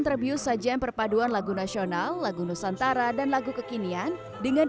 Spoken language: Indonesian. terbius sajian perpaduan lagu nasional lagu nusantara dan lagu kekinian dengan